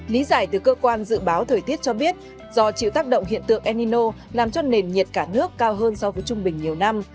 lý giải từ cơ quan dự báo thời tiết cho biết do chịu tác động hiện tượng enino làm cho nền nhiệt cả nước cao hơn so với trung bình nhiều năm